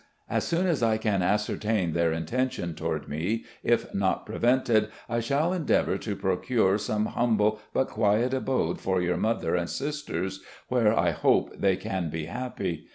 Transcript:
. As soon as I can ascertain their intention toward me, if not prevented, I shall endeavour to procure some humble, but quiet abode for your mother and sisters, where I hope they can be happy.